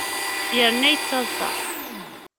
Yerna yettaḍṣa.